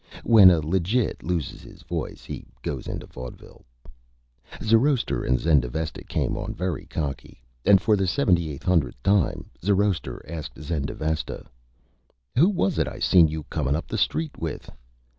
When a Legit loses his Voice he goes into Vodeville. Zoroaster and Zendavesta came on very Cocky, and for the 7,800th Time Zoroaster asked Zendavesta: "Who wuz it I seen you comin' up the Street with?"